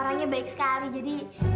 orangnya baik sekali jadi